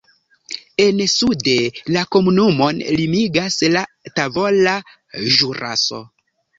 En sude la komunumon limigas la Tavola Ĵuraso.